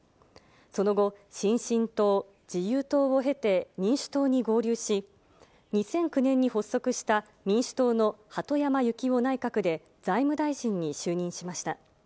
その後、新進党、自由党を経て民主党に合流し、２００９年に発足した、民主党の鳩山由紀夫内閣で、財務大臣に就任しました。